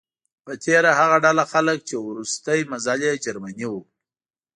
په تیره هغه ډله خلک چې وروستی منزل یې جرمني و.